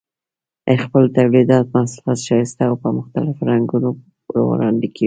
خپل تولیدي محصولات ښایسته او په مختلفو رنګونو وړاندې کوي.